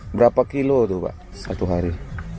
berapa kilo itu pak satu hari